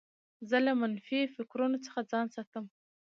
زه له منفي فکرو څخه ځان ساتم.